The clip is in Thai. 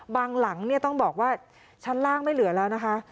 หลังเนี่ยต้องบอกว่าชั้นล่างไม่เหลือแล้วนะคะ